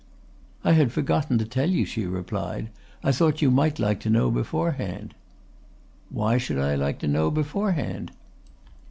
"I had forgotten to tell you," she replied. "I thought you might like to know beforehand." "Why should I like to know beforehand?"